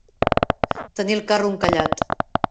Tenir el carro encallat.